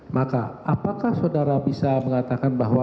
maka apakah saudara bisa mengatakan bahwa